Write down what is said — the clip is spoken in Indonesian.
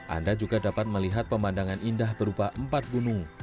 anda juga dapat melihat pemandangan indah berupa empat gunung